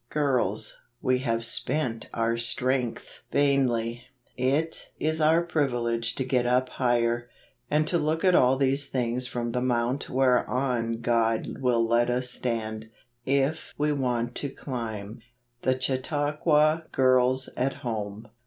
"Girls, we have spent our strength vainly. It is our privilege to get up higher; to look at all these things from the mount whereon God will let us stand, if we want to climb/' The Chautauqua Girls at Home.